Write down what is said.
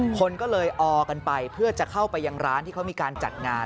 คนก็เลยออกันไปเพื่อจะเข้าไปยังร้านที่เขามีการจัดงาน